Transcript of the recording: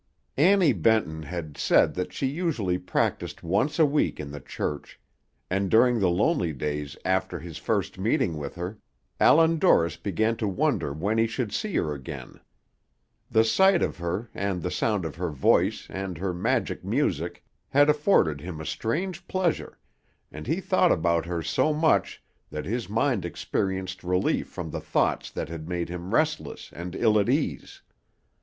Annie Benton had said that she usually practised once a week in the church; and during the lonely days after his first meeting with her, Allan Dorris began to wonder when he should see her again. The sight of her, and the sound of her voice, and her magic music, had afforded him a strange pleasure, and he thought about her so much that his mind experienced relief from the thoughts that had made him restless and ill at ease.